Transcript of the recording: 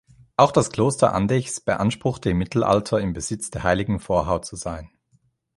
Auch das Kloster Andechs beanspruchte im Mittelalter, im Besitz der heiligen Vorhaut zu sein.